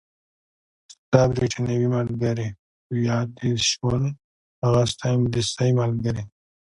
ستا بریتانوي ملګرې، په یاد دې شول؟ هغه ستا انګلیسۍ ملګرې.